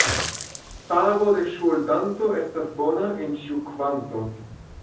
Pago de ŝuldanto estas bona en ĉiu kvanto.